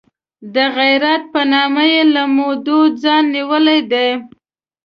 د غیرت په نامه یې له مودو ځان نیولی دی.